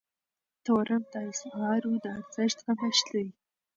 تورم د اسعارو د ارزښت کمښت دی.